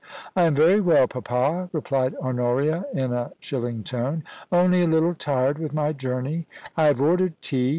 * I am very well, papa,' replied Honoria, in a chilling tone ;* only a little tired with my journey. I have ordered tea.